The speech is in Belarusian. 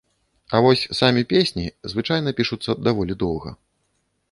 А вось самі песні звычайна пішуцца даволі доўга.